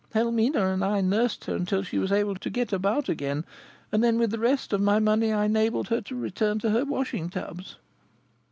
Helmina and I nursed her until she was able to get about again, and then, with the rest of my money, I enabled her to return to her washing tubs."